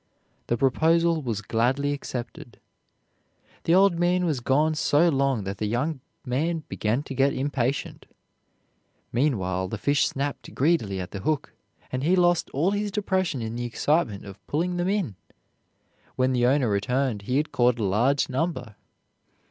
The proposal was gladly accepted. The old man was gone so long that the young man began to get impatient. Meanwhile the fish snapped greedily at the hook, and he lost all his depression in the excitement of pulling them in. When the owner returned he had caught a large number.